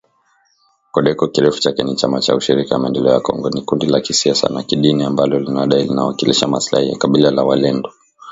KODEKO kirefu chake ni chama cha ushirika ya maendeleo ya Kongo ni kundi la kisiasa na kidini ambalo linadai linawakilisha maslahi ya kabila la walendu